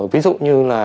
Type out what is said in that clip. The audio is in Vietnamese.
ví dụ như là